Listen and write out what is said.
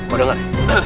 oh udah gak